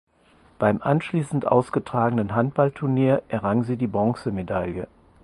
Beim anschließend ausgetragenen Handballturnier errang sie die Bronzemedaille.